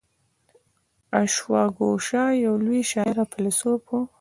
اشواګوشا یو لوی شاعر او فیلسوف و